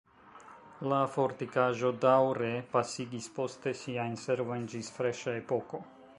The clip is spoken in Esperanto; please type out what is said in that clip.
La fortikaĵo daŭre pasigis poste siajn servojn ĝis freŝa epoko.